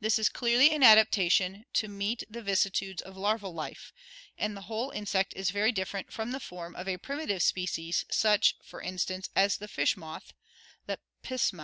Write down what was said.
This is clearly an adaptation to meet the vicissitudes of larval life, and the whole insect is very different from the form of a primitive species, such, for instance, as the fish moth, Lepisma (Fig.